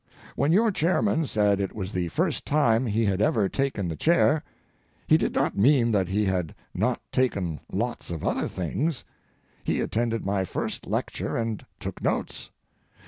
When your chairman said it was the first time he had ever taken the chair, he did not mean that he had not taken lots of other things; he attended my first lecture and took notes.